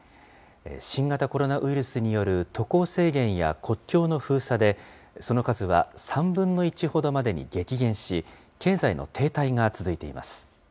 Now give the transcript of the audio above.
新型コロナウイルスによる渡航制限や国境の封鎖で、その数は３分の１ほどまでに激減し、経済の停滞が続いています。